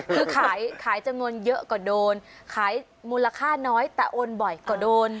คือขายจำนวนเยอะก็โดนขายมูลค่าน้อยแต่โอนบ่อยก็โดน